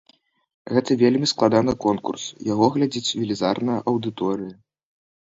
Гэта вельмі складаны конкурс, яго глядзіць велізарная аўдыторыя.